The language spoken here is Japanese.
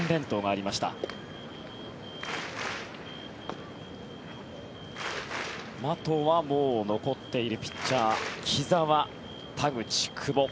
あとは残っているピッチャー木澤、田口、久保。